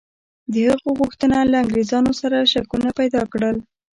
د هغه غوښتنه له انګرېزانو سره شکونه پیدا کړل.